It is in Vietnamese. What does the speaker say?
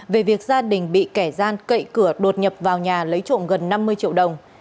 về việc gia đình bị kẻ gian cậy cửa đột nhập vào nhà lấy trộm gần năm mươi triệu đồng